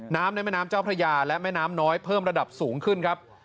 ในแม่น้ำเจ้าพระยาและแม่น้ำน้อยเพิ่มระดับสูงขึ้นครับ